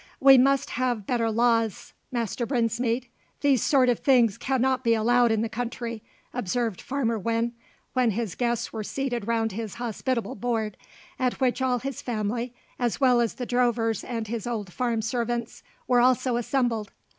"We must have better laws, Master Brinsmead; these sort of things cannot be allowed in the country," observed Farmer Winn, when his guests were seated round his hospitable board, at which all his family, as well as the drovers and his old farm servants, were also assembled.